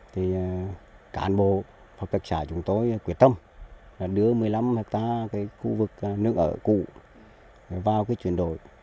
thì cả an bộ phòng đồng nghiệp chúng tôi quyết tâm đưa một mươi năm hectare khu vực nước ở cũ vào chuyển đổi